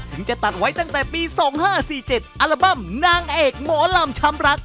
จะตัดไว้ตั้งแต่ปี๒๕๔๗อัลบั้มนางเอกหมอลำช้ำรัก